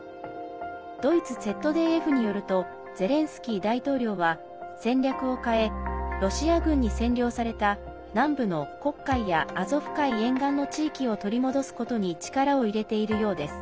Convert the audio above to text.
ドイツＺＤＦによるとゼレンスキー大統領は戦略を変えロシア軍に占領された南部の黒海やアゾフ海沿岸の地域を取り戻すことに力を入れているようです。